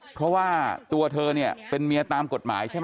เพราะว่าตัวเธอเนี่ยเป็นเมียตามกฎหมายใช่ไหม